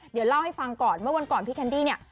เดี๋ยวเล่าให้ฟังก่อนเมื่อวันก่อนพี่แคนดี้เนี่ย